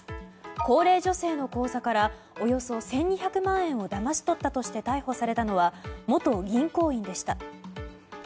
高齢女性の口座からおよそ１２００万円をだまし取ったとして逮捕されたのは元銀行員でした。